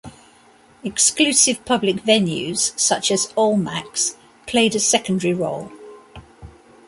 Exclusive public venues such as Almack's played a secondary role.